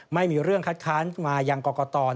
ไม่มีเรื่องคัดค้านมายังกรกต